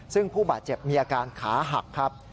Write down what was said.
ซึ่งผู้บาดเจ็บมีอาการขาหักครับ